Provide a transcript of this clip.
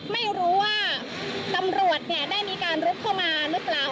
ไม่รู้ว่าตำรวจได้มีการลุกเข้ามาหรือเปล่า